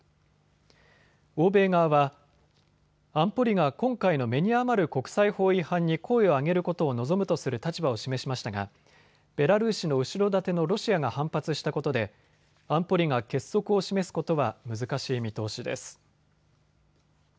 欧米側は安保理が今回の目に余る国際法違反に声を上げることを望むとする立場を示しましたがベラルーシの後ろ盾のロシアが反発したことで安保理が結束を示すことは難しい見通しです。